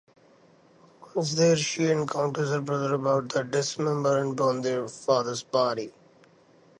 Once there she encounters her brother about to dismember and burn their father's body.